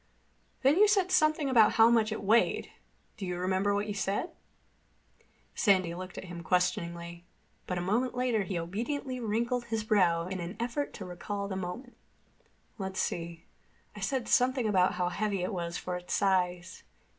"Then you said something about how much it weighed. Do you remember what you said?" Sandy looked at him questioningly, but a moment later he obediently wrinkled his brow in an effort to recall the moment. "Let's see. I said something about how heavy it was for its size.